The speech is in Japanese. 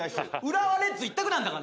浦和レッズ一択なんだから！